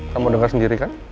kamu denger sendiri kan